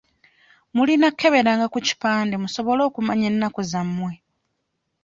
Mulina kukeberanga ku kipande musobole okumanya ennaku zammwe.